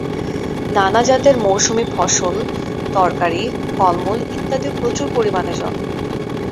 নানা জাতের মৌসুমি ফসল, তরকারী, ফলমূল ইত্যাদিও প্রচুর পরিমাণে জন্মে।